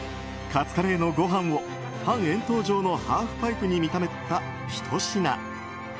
カツカレーのご飯を半円筒状のハーフパイプに見立てたひと品。